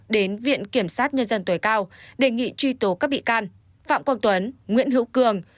đến viện kiểm sát nhân dân tối cao đề nghị truy tố các bị can phạm quang tuấn nguyễn hữu cường